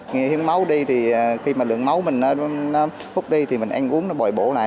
khi mà hiến máu đi thì khi mà lượng máu mình hút đi thì mình ăn uống nó bồi bổ lại